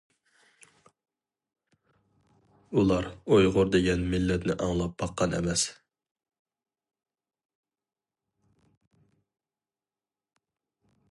ئۇلار ئۇيغۇر دېگەن مىللەتنى ئاڭلاپ باققان ئەمەس.